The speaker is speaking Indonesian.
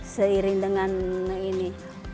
seiring dengan ini